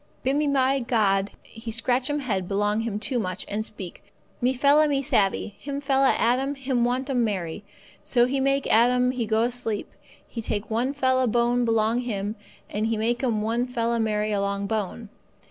"Bimeby God He scratch 'm head belong Him too much, and speak: 'Me fella me savvee, him fella Adam him want 'm Mary.' So He make Adam he go asleep, He take one fella bone belong him, and He make 'm one fella Mary along bone.